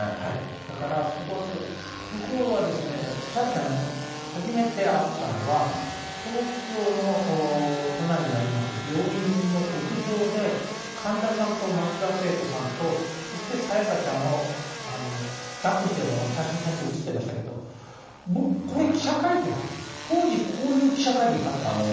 だからそこはすごい、僕はですね、沙也加ちゃん、初めて会ったのは、東京の都内にあります病院の屋上で、神田さんと松田聖子さんと、そして沙也加ちゃんをだっこしている写真、さっき写ってましたけど、僕、これ記者会見だったんですよ、当時、こういう記者会見があったんですよ。